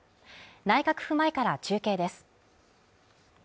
内閣府前から中継です。